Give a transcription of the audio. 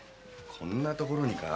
こんなところにか？